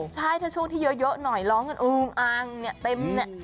ใช่ถ้าช่วงที่เยอะหน่อยร้องกันอึงอางเนี่ยเต็มเนี่ย